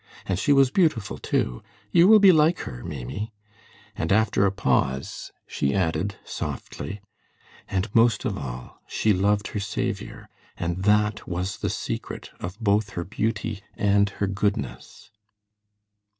And she was beautiful, too. You will be like her, Maimie," and, after a pause, she added, softly, "And, most of all, she loved her Saviour, and that was the secret of both her beauty and her goodness."